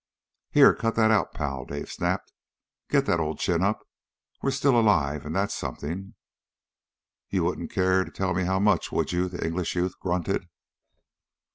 "Here, cut that out, pal!" Dave snapped. "Get that old chin up. We're still alive, and that's something." "You wouldn't care to tell me how much, would you?" the English youth grunted.